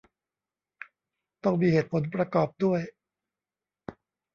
ต้องมีเหตุผลประกอบด้วย